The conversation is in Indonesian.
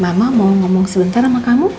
mama mau ngomong sebentar sama kamu